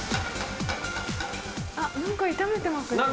あっ何か炒めてません？